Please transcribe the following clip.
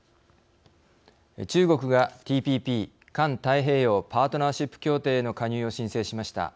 中国がＴＰＰ＝環太平洋パートナーシップ協定への加入を申請しました。